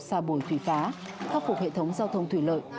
xa bồi thủy phá khắc phục hệ thống giao thông thủy lợi